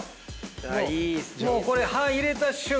もうこれ刃入れた瞬間